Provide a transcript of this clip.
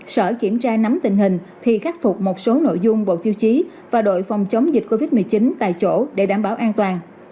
sở kiểm tra nắm tình hình thì khắc phục một số nội dung bộ tiêu chí và đội phòng chống dịch covid một mươi chín tại chỗ để đảm bảo an toàn